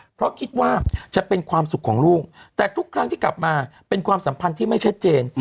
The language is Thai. เพราะคิดว่าจะเป็นความสุขของลูกแต่ทุกครั้งที่กลับมาเป็นความสัมพันธ์ที่ไม่ชัดเจน